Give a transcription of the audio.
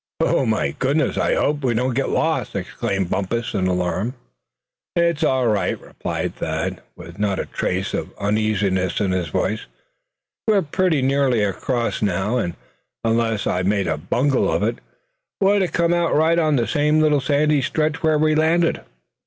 "Oh! my goodness I hope we don't get lost!" exclaimed Bumpus, in alarm. "It's all right," replied Thad, with not a trace of uneasiness in his voice; "we are pretty nearly across now; and unless I've made a bungle of it, we ought to come out right on that same little sandy stretch where we landed."